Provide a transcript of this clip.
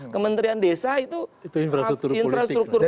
kementerian desa itu infrastruktur politik yang luar biasa